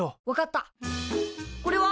これは？